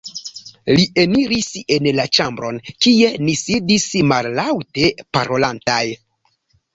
Li eniris en la ĉambron, kie ni sidis mallaŭte parolantaj.